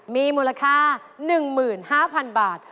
มีมูลค่า๑๕๐๐๐บาท